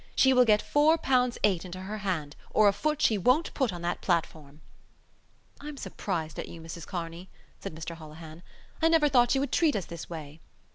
She will get four pounds eight into her hand or a foot she won't put on that platform." "I'm surprised at you, Mrs Kearney," said Mr Holohan. "I never thought you would treat us this way."